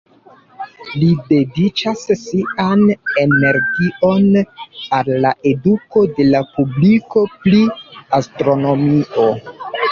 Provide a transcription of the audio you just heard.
Li dediĉas sian energion al la eduko de la publiko pri astronomio.